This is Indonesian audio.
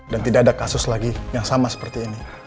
dan tidak ada kasus lagi yang sama seperti ini